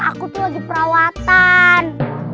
aku tuh lagi perawatan